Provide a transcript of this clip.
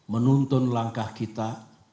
menuntun langkah kita